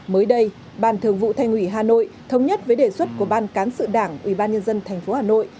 mới đây ban thường vụ thanh ủy hà nội thống nhất với đề xuất của ban cán sự đảng ubnd tp hà nội